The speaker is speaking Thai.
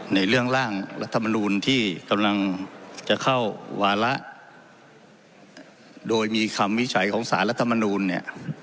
ในเรื่องร่างรัฐมนูลที่กำลังจะเข้าวาระโดยมีคำวินิจฉัยของสารรัฐมนูลเนี่ย